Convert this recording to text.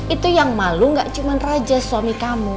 itu yang malu gak cuma raja suami kamu